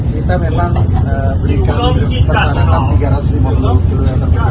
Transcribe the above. kita memang berikan persyaratan tiga ratus lima puluh juta terlebih dahulu